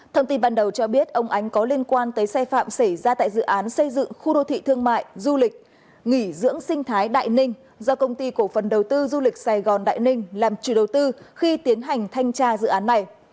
thông tin ban đầu cho biết ông ánh có liên quan tới sai phạm xảy ra tại dự án xây dựng khu đô thị thương mại du lịch nghỉ dưỡng sinh thái đại ninh do công ty cổ phần đầu tư du lịch sài gòn đại ninh làm chủ đầu tư khi tiến hành thanh tra dự án này